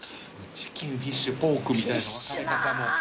チキンフィッシュポークみたいな分かれ方も。